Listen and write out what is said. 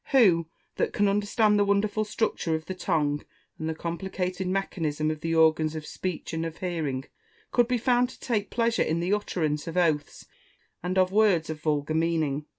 Who that can understand the wonderful structure of the tongue, and the complicated mechanism of the organs of speech and of hearing, could be found to take pleasure in the utterance of oaths, and of words of vulgar meaning?